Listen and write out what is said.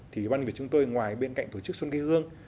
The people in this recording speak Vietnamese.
thì ban việc chúng tôi ở ngoài bên cạnh tổ chức xuân kê hương